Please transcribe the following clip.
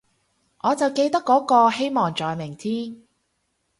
我就記得嗰個，希望在明天